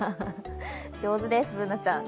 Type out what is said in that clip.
上手です、Ｂｏｏｎａちゃん。